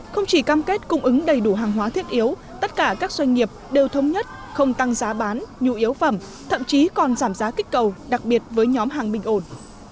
không chỉ cam kết cung ứng đầy đủ hàng hóa thiết yếu tất cả các doanh nghiệp đều thống nhất không tăng giá bán nhu yếu phẩm thậm chí còn giảm giá kích cầu đặc biệt với nhóm hàng bình ổn